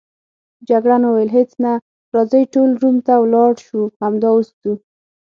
جګړن وویل: هیڅ نه، راځئ ټول روم ته ولاړ شو، همدا اوس ځو.